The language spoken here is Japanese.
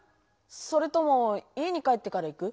それとも家に帰ってから行く？